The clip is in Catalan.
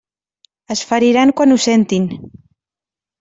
Es feriran quan ho sentin.